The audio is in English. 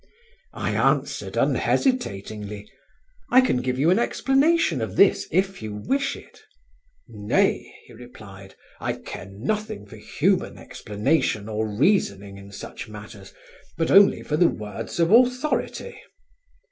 I answered unhesitatingly: "I can give you an explanation of this if you wish it." "Nay," he replied, "I care nothing for human explanation or reasoning in such matters, but only for the words of authority."